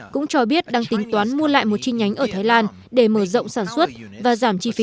cũng cho biết đang tính toán mua lại một chi nhánh ở thái lan để mở rộng sản xuất và giảm chi phí